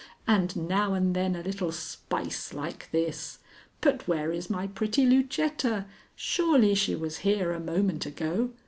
"and now and then a little spice like this! But where is my pretty Lucetta? Surely she was here a moment ago.